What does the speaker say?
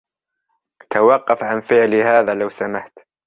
توقف عن فعل هذا لو سمحت